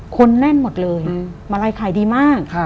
คนแน่นหมดเลยมาลัยขายดีมาก